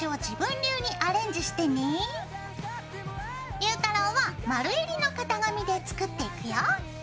ゆうたろうは丸えりの型紙で作っていくよ。